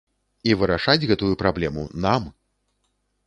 І вырашаць гэтую праблему нам!